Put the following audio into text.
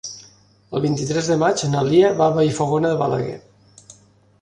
El vint-i-tres de maig na Lia va a Vallfogona de Balaguer.